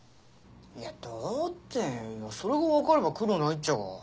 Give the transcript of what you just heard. いやどうってそれがわかれば苦労ないっちゃが。